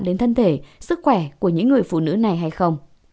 đến thân thể sức khỏe của những người phụ nữ này hay không